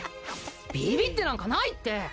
ビビッてなんかないって！